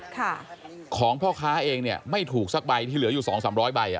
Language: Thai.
ค่ะของพ่อค้าเองเนี่ยไม่ถูกสักใบที่เหลืออยู่สองสามร้อยใบอ่ะ